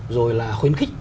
rồi là khuyến khích